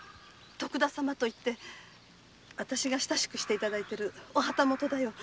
徳田様といって親しくしていただいてるお旗本だよ。